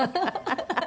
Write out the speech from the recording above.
ハハハハ！